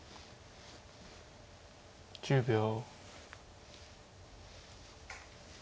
１０秒。